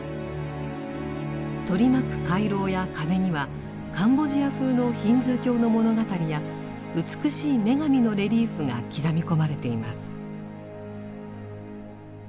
取り巻く回廊や壁にはカンボジア風のヒンズー教の物語や美しい女神のレリーフが刻み込まれています。